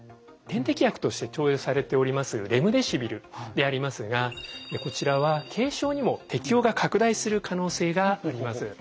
点滴薬として投与されておりますレムデシビルでありますがこちらは軽症にも適応が拡大する可能性があります。